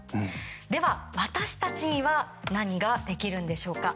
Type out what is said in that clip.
では、私たちには何ができるんでしょうか。